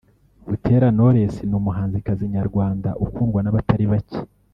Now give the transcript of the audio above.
Butera Knowless ni umuhanzikazi nyarwanda ukundwa n’abatari bacye